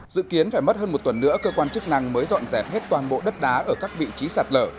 dự kiến phải mất hơn một tuần nữa cơ quan chức năng mới dọn dẹp hết toàn bộ đất đá ở các vị trí sạt lở